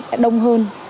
đã đông hơn